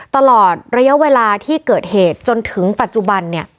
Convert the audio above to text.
ตลอดระยะเวลาที่เกิดเหตุจนถึงปัจจุบัน